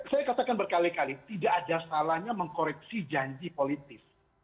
saya katakan berkali kali tidak ada salahnya mengkoreksi janji politis